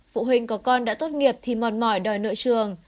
phụ huynh có con đã tốt nghiệp thì mòn mỏi đòi nợ trường